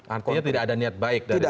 artinya tidak ada niat baik dari